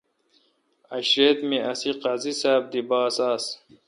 عشریت می اسی قاضی ساب دی باس آس۔